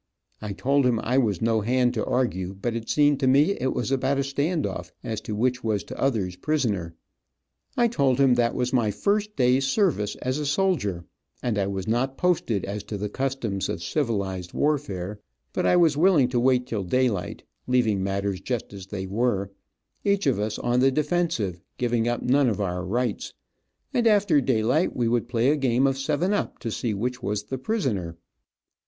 I told him I was no hand to argue, but it seemed to me it was about a stand off, as to which was 'tother's prisoner. I told him that was my first day's service as a soldier, and I was not posted as to the customs of civilized warfare, but I was willing to wait till daylight, leaving matters just as they were, each of us on the defensive, giving up none of our rights, and after daylight we would play a game of seven up to see which was the prisoner.